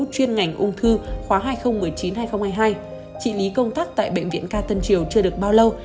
chuyên ngành ung thư khóa hai nghìn một mươi chín hai nghìn hai mươi hai chị lý công tác tại bệnh viện ca tân triều chưa được bao lâu